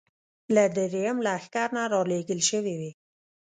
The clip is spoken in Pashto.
له درېیم لښکر نه را لېږل شوې وې.